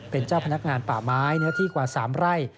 เป็นเจ้าพนักงานป่าไม้เนื้อที่กว่า๓ไร่